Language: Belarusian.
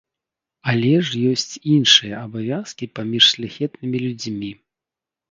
Але ж ёсць іншыя абавязкі паміж шляхетнымі людзьмі.